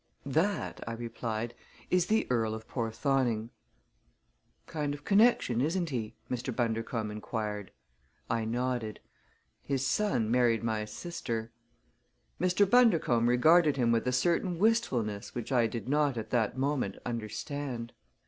"That," I replied, "is the Earl of Porthoning." "Kind of connection, isn't he?" Mr. Bundercombe inquired. I nodded. "His son married my sister." Mr. Bundercombe regarded him with a certain wistfulness which I did not at that moment understand.